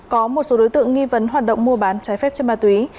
có một số đối tượng nghi vấn hoạt động mua bán trái phép chất ma túy